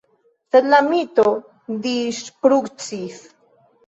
Sed la mito disŝprucis.